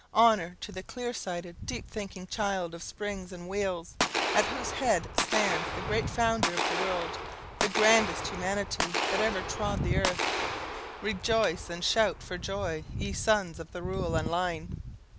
Honour to the clear sighted, deep thinking child of springs and wheels, at whose head stands the great Founder of the world, the grandest humanity that ever trode the earth! Rejoice, and shout for joy, ye sons of the rule and line!